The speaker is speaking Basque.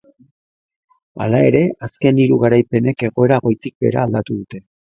Hala ere, azken hiru garaipenek egoera goitik behera aldatu dute.